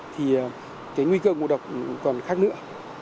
thì cái nguy cơ ngộ độc còn khác nữa